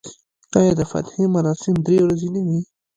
آیا د فاتحې مراسم درې ورځې نه وي؟